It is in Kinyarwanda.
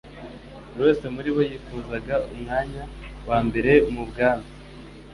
Buri wese muri bo yifuzaga umwanya wa mbere mu bwami;